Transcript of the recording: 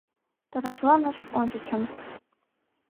Торешланыш ончычын.